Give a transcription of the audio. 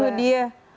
nah itu dia